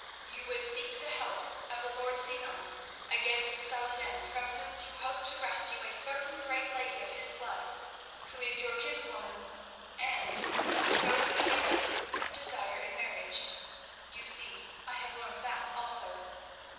You would seek the help of the lord Sinan against Salah ed din, from whom you hope to rescue a certain great lady of his blood who is your kinswoman and whom both of you—desire in marriage. You see, I have learned that also.